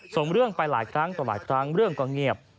ส่งเรื่องไปหลายครั้งต่อหลายครั้งเรื่องก็เงียบ